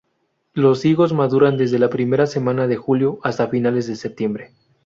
Los higos maduran desde la primera semana de julio hasta finales de septiembre.